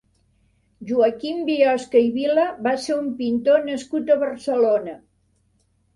Joaquim Biosca i Vila va ser un pintor nascut a Barcelona.